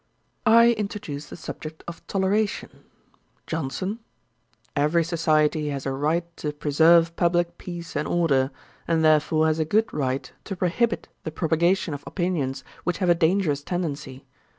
I introduced the subject of toleration. JOHNSON. 'Every society has a right to preserve publick peace and order, and therefore has a good right to prohibit the propagation of opinions which have a dangerous tendency.